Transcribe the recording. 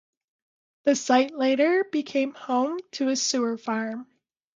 The site later became home to a sewer farm.